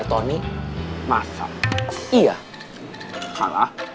ya mobil aja pemenuh